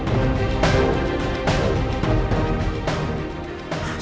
tidur di ruang tamu